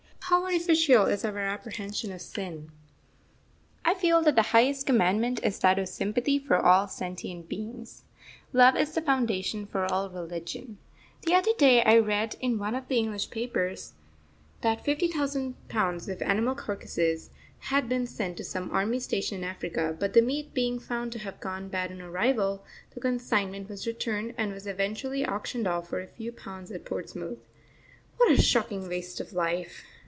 How artificial is our apprehension of sin! I feel that the highest commandment is that of sympathy for all sentient beings. Love is the foundation of all religion. The other day I read in one of the English papers that 50,000 pounds of animal carcasses had been sent to some army station in Africa, but the meat being found to have gone bad on arrival, the consignment was returned and was eventually auctioned off for a few pounds at Portsmouth. What a shocking waste of life!